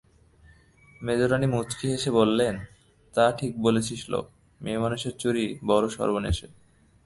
মেজোরানী মুচকে হেসে বললেন, তা ঠিক বলেছিস লো, মেয়েমানুষের চুরি বড়ো সর্বনেশে।